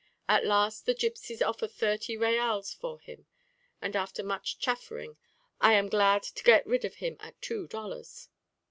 At last the gipsies offer thirty reals for him; and after much chaffering I am glad to get rid of him at two dollars.